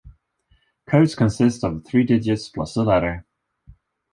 Codes consists of three digits plus a letter.